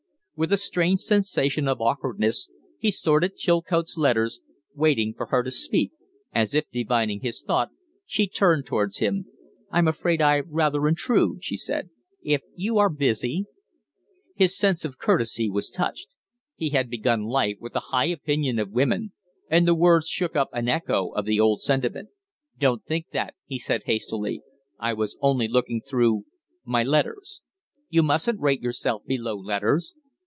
With a strange sensation of awkwardness he sorted Chilcote's letters, waiting for her to speak. As if divining his thought, she turned towards him. "I'm afraid I rather intrude," she said. "If you are busy " His sense of courtesy was touched; he had begun life with a high opinion of women, and the words shook up an echo of the old sentiment. "Don't think that," he said, hastily. "I was only looking through my letters. You mustn't rate yourself below letters."